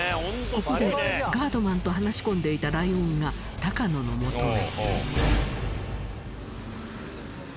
ここでガードマンと話し込んでいたライオンが高野の元へ。